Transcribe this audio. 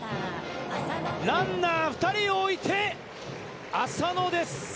ランナー２人を置いて、浅野です。